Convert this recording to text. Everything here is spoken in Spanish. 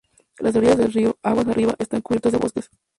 Las orilla del río, aguas arriba, están cubiertas de bosques.